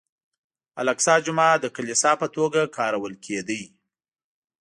الاقصی جومات د کلیسا په توګه کارول کېده.